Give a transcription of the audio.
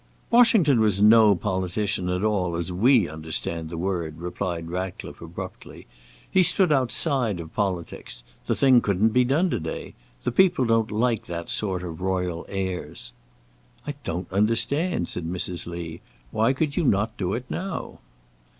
"Washington was no politician at all, as we understand the word," replied Ratcliffe abruptly. "He stood outside of politics. The thing couldn't be done to day. The people don't like that sort of royal airs." "I don't understand!" said Mrs. Lee. "Why could you not do it now?"